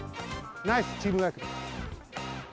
ナイスチームワークだ。